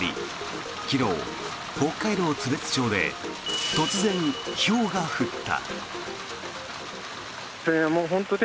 昨日、北海道津別町で突然ひょうが降った。